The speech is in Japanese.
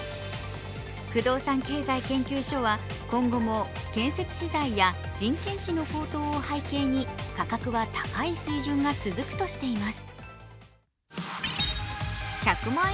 不動産経済研究所は、今後も建設資材や人件費の高騰を背景に価格は高い水準が続くとしています。